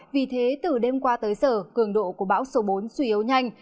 vì thế từ đêm qua tới giờ cường độ của bão số bốn suy yếu nhanh